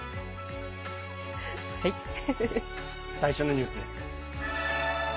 最初のニュースです。